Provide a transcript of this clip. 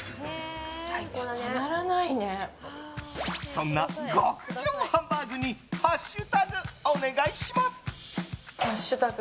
そんな極上ハンバーグにハッシュタグお願いします。